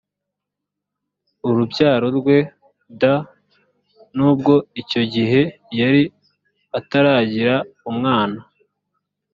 urubyaro rwe d nubwo icyo gihe yari ataragira umwana